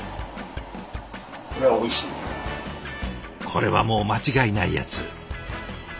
これはもう間違いないやつ。